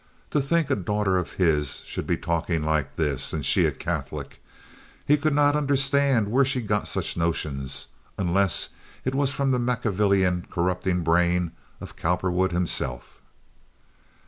To think a daughter of his should be talking like this, and she a Catholic! He could not understand where she got such notions unless it was from the Machiavellian, corrupting brain of Cowperwood himself.